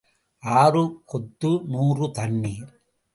ஆறு கொத்து, நூறு தண்ணீர்.